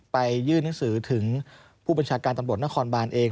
ยื่นหนังสือถึงผู้บัญชาการตำรวจนครบานเอง